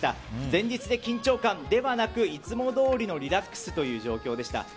前日で緊張感ではなくいつもどおりのリラックスという状況でした。